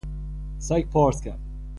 سگ پارس کرد.